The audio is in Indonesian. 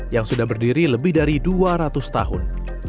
yang sudah berdiri lebih dari dua ratus tahun